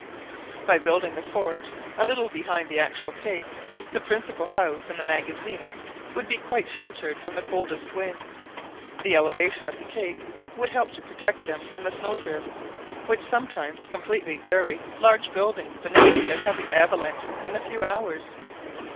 By building the fort a little behind the actual cape, the principal house and the magazines would be quite sheltered from the coldest winds. The elevation of the cape would help to protect them from the snow drifts, which sometimes completely bury large buildings beneath their heavy avalanches in a few hours.